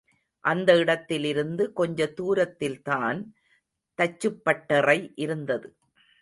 அந்த இடத்திலிருந்து கொஞ்ச தூரத்தில்தான் தச்சுப்பட்டறை இருந்தது.